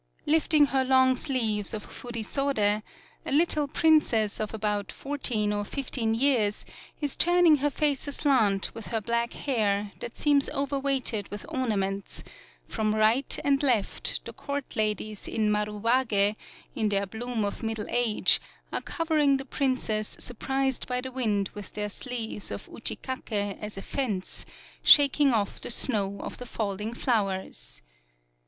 Lifting her long sleeves of Furisode, a little princess of 108 UKIYOE about fourteen or fifteen years is turn ing her face aslant with her black hair that seems overweighted with orna ments; from right and left, the court ladies in Maruwage, in their bloom of middle age, are covering the princess surprised by the wind with their sleeves of Uchikake as a fence, shaking off the snow of the falling flowers.